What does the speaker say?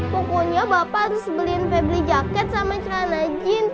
pokoknya bapak harus beliin febri jaket sama cerana jeans